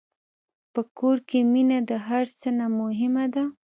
په کور کې مینه د هر څه نه مهمه ده.